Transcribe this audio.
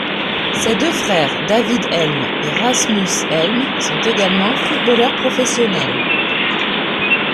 Ses deux frères, David Elm et Rasmus Elm, sont également footballeurs professionnels.